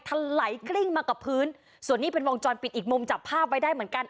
ถลายกลิ้งมากับพื้นส่วนนี้เป็นวงจรปิดอีกมุมจับภาพไว้ได้เหมือนกัน